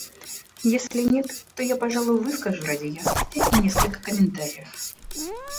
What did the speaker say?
Если нет, то я, пожалуй, выскажу ради ясности несколько комментариев.